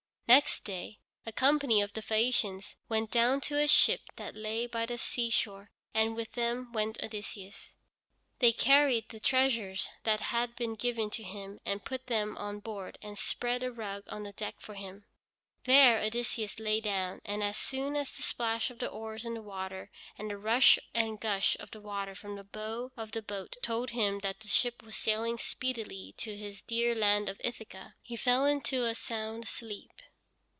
Next day a company of the Phæacians went down to a ship that lay by the seashore, and with them went Odysseus. They carried the treasures that had been given to him and put them on board, and spread a rug on the deck for him. There Odysseus lay down, and as soon as the splash of the oars in the water and the rush and gush of the water from the bow of the boat told him that the ship was sailing speedily to his dear land of Ithaca, he fell into a sound sleep.